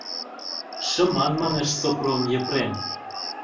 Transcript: - шыман манеш Сопром Епрем.